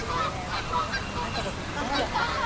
ここまで考えたことなかったね。